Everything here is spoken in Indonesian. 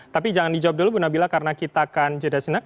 tapi jangan dijawab dulu bu nabila karena kita akan jeda senak